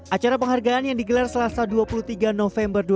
acara penghargaan yang digelar selasa dua puluh tiga november dua ribu dua puluh